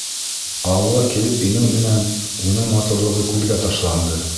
Ауылға килеп инеү менән уның матурлығы күҙгә ташланды.